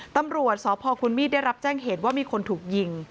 ตำรวจสพคุณมีดได้รับแจ้งเหตุว่ามีคนถูกยิง